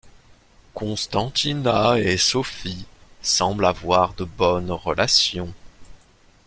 Constantina et Sophie semblent avoir de bonnes relations.